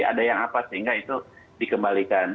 ada yang apa sehingga itu dikembalikan